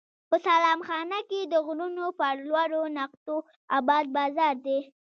په سلام خانه کې د غرونو پر لوړو نقطو اباد بازار دی.